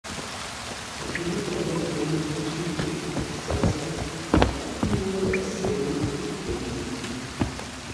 Akinmej kuali tlen okichijkej kisaskej iuan oksemi yoliskej.